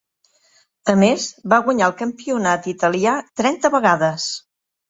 A més, va guanyar el campionat italià trenta vegades.